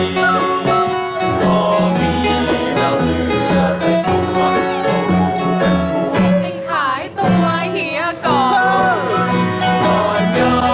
ไม่ได้ก็ได้ไขหน้าจบน้องคงบ่อย